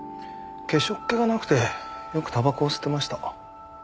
化粧っ気がなくてよくたばこを吸ってました。